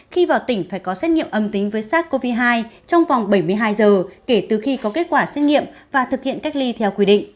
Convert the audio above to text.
khi vào tỉnh phải có xét nghiệm âm tính với sars cov hai trong vòng bảy mươi hai giờ kể từ khi có kết quả xét nghiệm và thực hiện cách ly theo quy định